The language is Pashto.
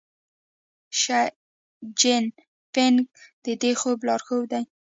شي جین پینګ د دې خوب لارښود دی.